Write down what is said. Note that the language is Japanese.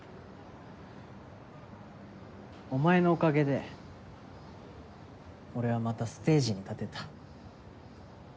お前のおかげで俺はまたステージに立てた。